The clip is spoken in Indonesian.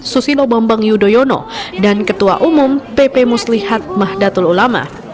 susilo bambang yudhoyono dan ketua umum pp muslihat mahdatul ulama